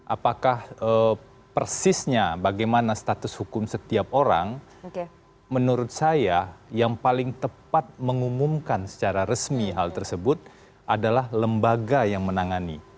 apakah persisnya bagaimana status hukum setiap orang menurut saya yang paling tepat mengumumkan secara resmi hal tersebut adalah lembaga yang menangani